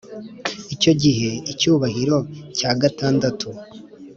Icyo gihe icyubahiro cya gatandatu